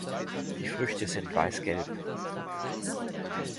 Die Früchte sind weißgelb.